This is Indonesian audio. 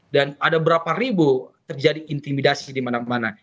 dan ada berapa ribu terjadi intimidasi dimana mana